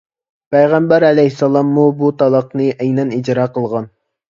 پەيغەمبەر ئەلەيھىسسالاممۇ بۇ تالاقنى ئەينەن ئىجرا قىلغان.